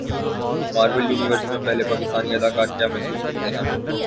marvel universe میں پہلے پاکستانی اداکار کیا محسوس کرتے ہیں